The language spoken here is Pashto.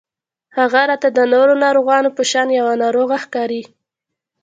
هغه راته د نورو ناروغانو په شان يوه ناروغه ښکاري